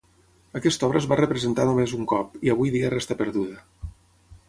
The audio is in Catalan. Aquesta obra es va representar només un cop, i avui dia resta perduda.